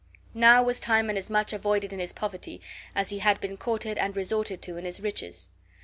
Now was Timon as much avoided in his poverty as he had been courted and resorted to in his riches.